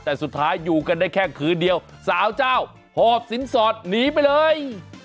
แต่สุดท้ายอยู่กันได้แค่คืนเดียวสาวเจ้าหอบสินสอดหนีไปเลย